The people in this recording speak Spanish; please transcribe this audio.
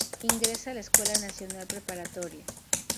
Ingresa a la Escuela Nacional Preparatoria.